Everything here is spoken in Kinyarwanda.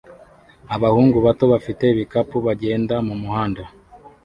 Abahungu bato bafite ibikapu bagenda mumuhanda